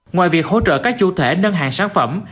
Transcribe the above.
ngoài việc hỗ trợ các chủ thể nâng hạng sản phẩm